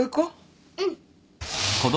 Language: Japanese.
うん。